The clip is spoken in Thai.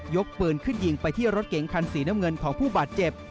กปืนขึ้นยิงไปที่รถเก๋งคันสีน้ำเงินของผู้บาดเจ็บ